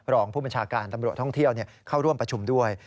รองผู้บัญชาการตำรวจท่องเที่ยวเข้าร่วมประชุมด้วย